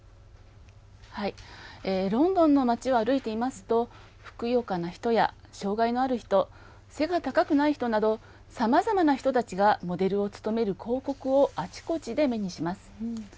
ロンドンの街を歩いていますとふくよかな人や障害のある人背が高くない人などさまざまな人たちがモデルを務める広告をあちこちで目にします。